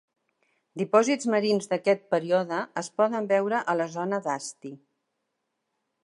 Dipòsits marins d'aquest període es poden veure a la zona d'Asti.